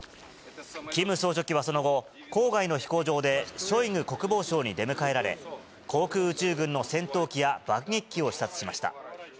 キム総書記はその後、郊外の飛行場でショイグ国防相に出迎えられ、航空宇宙軍の戦闘機や爆撃機を視察しました。